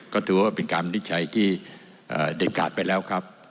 ก็ถือว่าเป็นการวินิจฉัยที่เด็ดขาดไปแล้วครับ